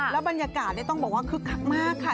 บรรยากาศต้องบอกว่าคึกคักมากค่ะ